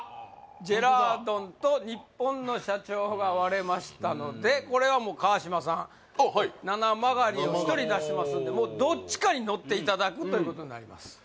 ジェラードンとニッポンの社長が割れましたのでこれはもう川島さんはいななまがりを１人出してますんでどっちかに乗っていただくということになります